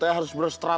tidak kapan tidak